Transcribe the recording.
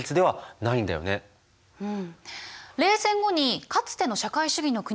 うん。